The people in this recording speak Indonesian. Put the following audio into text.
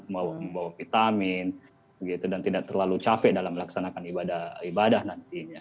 membawa vitamin dan tidak terlalu capek dalam melaksanakan ibadah ibadah nantinya